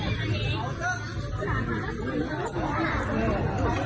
ท่านดูเหตุการณ์ก่อนนะครับ